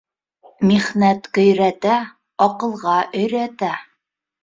Михнәт көйрәтә, аҡылға өйрәтә.